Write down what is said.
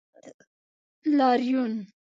لاریون